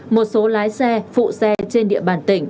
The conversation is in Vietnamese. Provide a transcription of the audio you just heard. một số lái xe phụ xe trên địa bàn tỉnh